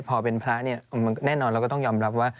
พอเป็นพระเนี่ยแน่นอนเราก็ต้องยอมรับว่า